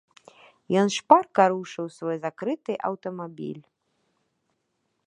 Ён шпарка рушыў у свой закрыты аўтамабіль.